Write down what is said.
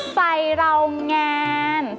ไฟเราแงน